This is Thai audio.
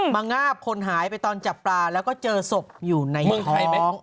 มางาบคนหายไปตอนจับปลาแล้วก็เจอศพอยู่ในท้อง